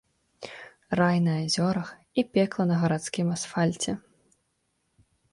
Рай на азёрах і пекла на гарадскім асфальце.